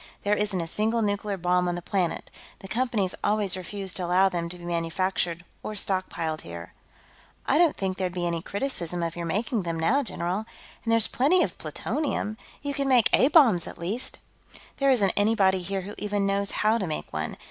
There isn't a single nuclear bomb on the planet. The Company's always refused to allow them to be manufactured or stockpiled here." "I don't think there'd be any criticism of your making them, now, general. And there's certainly plenty of plutonium. You could make A bombs, at least." "There isn't anybody here who even knows how to make one.